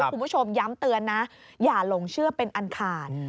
คุณผู้ชมย้ำเตือนนะอย่าหลงเชื่อเป็นอันขาด